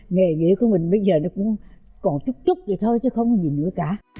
nghề nghị của mình bây giờ nó còn chút chút thôi thôi chứ không có gì nữa cả